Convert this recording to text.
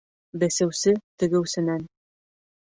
Бесеүсе тегеүсенән